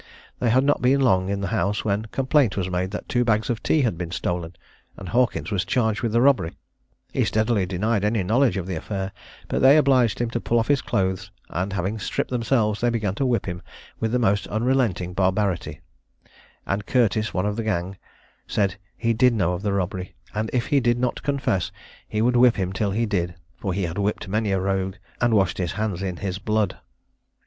They had not been long in the house when complaint was made that two bags of tea had been stolen, and Hawkins was charged with the robbery. He steadily denied any knowledge of the affair; but they obliged him to pull off his clothes; and, having stripped themselves, they began to whip him with the most unrelenting barbarity; and Curtis, one of the gang, said he did know of the robbery, and if he would not confess, he would whip him till he did; for he had whipped many a rogue, and washed his hands in his blood.